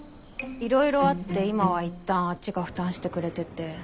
いろいろあって今はいったんあっちが負担してくれてて。